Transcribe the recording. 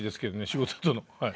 仕事との。